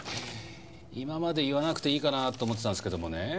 今まで言わなくていいかなと思ってたんですけどもね